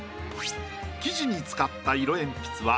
生地に使った色鉛筆は。